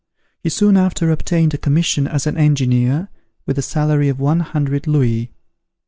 He soon after obtained a commission as an engineer, with a salary of one hundred louis.